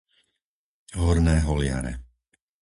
Horné Holiare